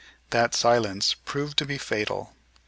That silence proved to be fatal.